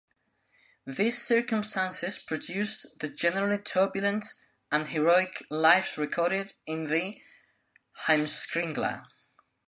These circumstances produced the generally turbulent and heroic lives recorded in the Heimskringla.